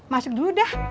masuk dulu dah